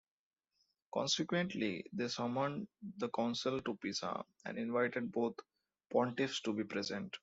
Consequently, they summoned the council to Pisa and invited both pontiffs to be present.